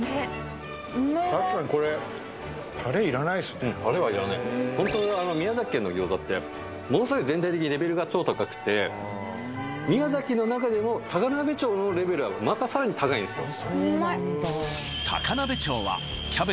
確かにこれうんタレはいらないホント宮崎県の餃子ってものすごい全体的にレベルが超高くて宮崎の中でも高鍋町のレベルはまたさらに高いんですよ